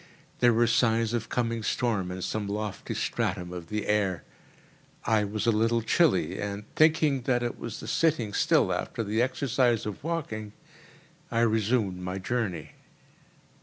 There were signs of coming storm in some lofty stratum of the air. I was a little chilly, and, thinking that it was the sitting still after the exercise of walking, I resumed my journey.